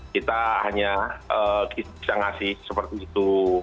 kita hanya bisa ngasih seperti itu